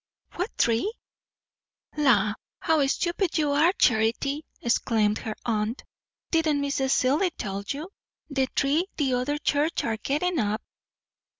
"What tree?" "La! how stupid you are, Charity," exclaimed her aunt. "Didn't Mrs. Seelye tell you? the tree the other church are gettin' up."